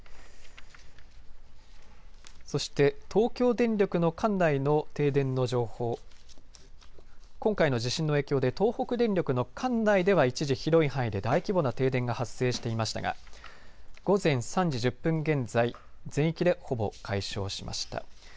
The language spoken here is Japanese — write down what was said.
そして東京電力の管内の停電の情報、今回の地震の影響で東北電力の管内では一時広い範囲で大規模な停電が発生していましたが午前３時１０分現在、全域でほぼ解消しました。